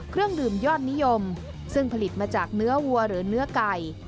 เครื่องดื่มยอดนิยมซึ่งผลิตมาจากเนื้อวัวหรือเนื้อไก่